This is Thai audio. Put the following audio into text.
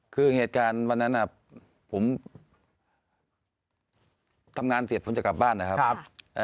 คือเหตุการณ์วันนั้นผมทำงานเสร็จผมจะกลับบ้านนะครับ